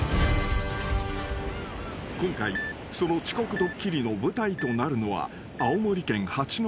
［今回その遅刻ドッキリの舞台となるのは］